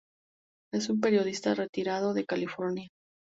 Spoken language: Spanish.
Es un periodista retirado de California.